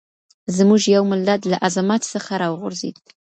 زموږ يو ملت له عظمت څخه راوغورځېد.